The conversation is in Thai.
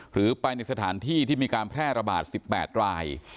หรือไปในสถานที่ที่มีการแพร่ระบาด๑๘ราย